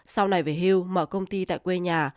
sau này về hưu mở công ty tại quê nhà